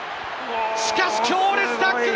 しかし強烈なタックル！